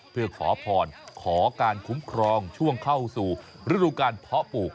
เพื่อขอพรขอการคุ้มครองช่วงเข้าสู่ฤดูการเพาะปลูก